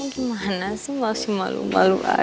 gimana sih masih malu malu aja